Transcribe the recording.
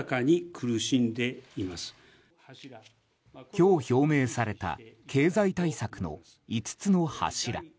今日表明された経済対策の５つの柱。